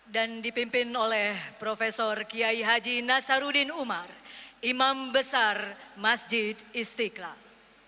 dan dipimpin oleh prof kiai haji nasarudin umar imam besar masjid istiqlal